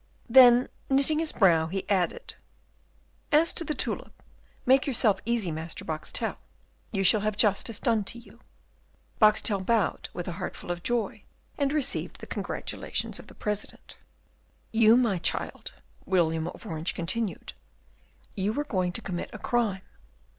Then, knitting his brow, he added, "As to the tulip, make yourself easy, Master Boxtel, you shall have justice done to you." Boxtel bowed with a heart full of joy, and received the congratulations of the President. "You, my child," William of Orange continued, "you were going to commit a crime.